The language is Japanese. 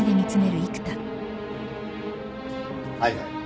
はいはい。